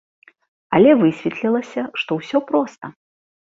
Але высветлілася, што ўсё проста.